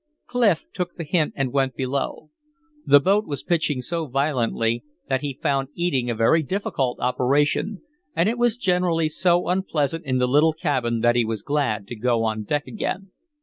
Clif took the hint and went below. The boat was pitching so violently that he found eating a very difficult operation, and it was generally so unpleasant in the little cabin that he was glad to go on deck again.